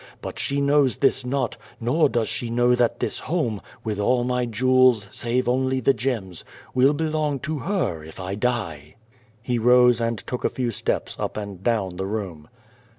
But she knows this not, nor does she know that this home, with all my jewels, save only the gems, will belong to her if I die." He rose and took a few steps up and down the room.